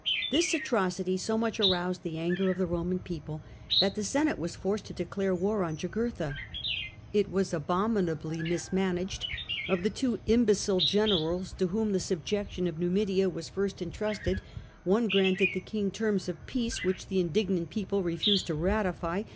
This atrocity so much aroused the anger of the Roman people that the Senate was forced to declare war on Jugurtha. It was abominably mismanaged; of the two imbecile generals to whom the subjection of Numidia was first entrusted, one granted the king terms of peace which the indignant people refused to ratify.